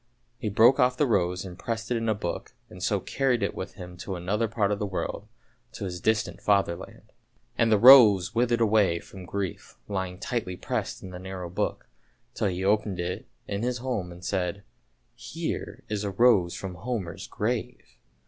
He broke off the rose and pressed it in a book, and so carried it away with him to another part of the world, to his distant Fatherland. And the rose withered away from grief lying tightly pressed in the narrow book, till he opened it in his home and said, " here is a rose from Homer's grave!